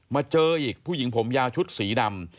เจออีกผู้หญิงผมยาวชุดสีดำ